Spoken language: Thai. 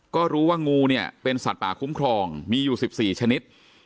ก็รู้ว่างูเนี่ยเป็นสัตว์ป่าคุ้มครองมีอยู่๑๔ชนิด